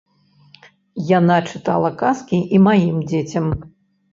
Яна чытала казкі і маім дзецям.